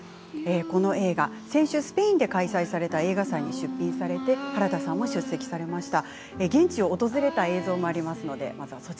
この映画、先週スペインで開催された映画祭に出品されて原田さんも出席されました。